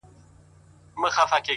لوړ فکر لوی بدلونونه راولي,